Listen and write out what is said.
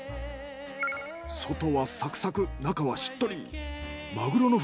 外はサクサク中はしっとり。